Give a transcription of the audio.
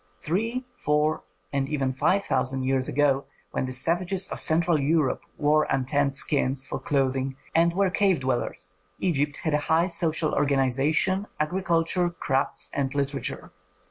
Three, four, and even five thousand years ago, when the savages of Central Europe wore untanned skins for clothing and were cave dwellers, Egypt had a high social organization, agriculture, crafts, and literature.